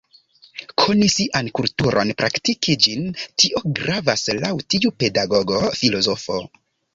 Koni sian kulturon, praktiki ĝin, tio gravas laŭ tiu pedagogo filozofo.